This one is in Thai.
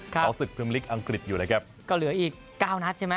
เขาศึกพิมพลิกอังกฤษอยู่นะครับก็เหลืออีกเก้านัดใช่ไหม